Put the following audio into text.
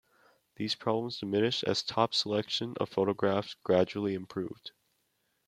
These problems diminished as Topps' selection of photographs gradually improved.